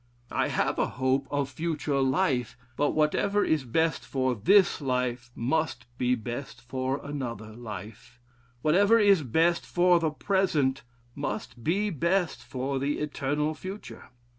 I have a hope of future life, but whatever is best for this life must be best for another life; whatever is best for the present, must be best for the eternal future.